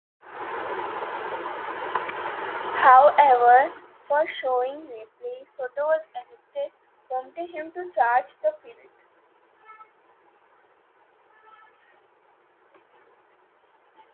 However, for shoving Rippley, Soto was ejected, prompting him to charge the field.